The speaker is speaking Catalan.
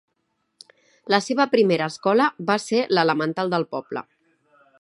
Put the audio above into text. La seva primera escola va ser l'elemental del poble.